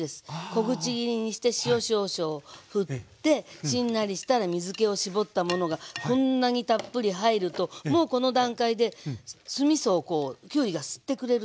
小口切りにして塩少々ふってしんなりしたら水けを絞ったものがこんなにたっぷり入るともうこの段階で酢みそをきゅうりが吸ってくれるのね。